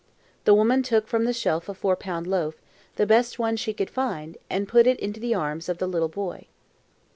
The woman took from the shelf a four pound loaf, the best one she could find, and put it into the arms of the little boy.